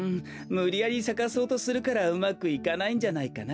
むりやりさかそうとするからうまくいかないんじゃないかな？